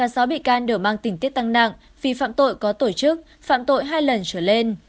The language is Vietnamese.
ba sáu bị can đều mang tỉnh tiết tăng nặng vì phạm tội có tổ chức phạm tội hai lần trở lên